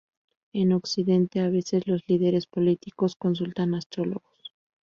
En Occidente, a veces los líderes políticos consultan astrólogos.